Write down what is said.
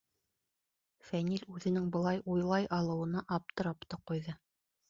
Фәнил үҙенең былай уйлай алыуына аптырап та ҡуйҙы.